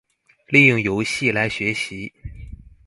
利用遊戲來學習